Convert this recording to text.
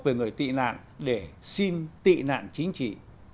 về người tị nạn để xin tị nạn chính trị